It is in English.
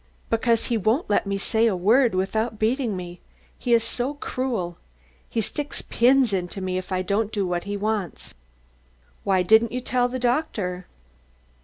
"Because he won't let me say a word without beating me. He is so cruel. He sticks pins into me if I don't do what he wants." "Why didn't you tell the doctor?"